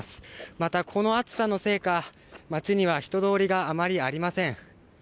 また、この暑さのせいか街には人通りがあまりありません